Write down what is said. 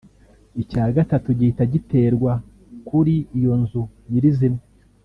icya gatatu gihita giterwa kuri iyo nzu nyirizina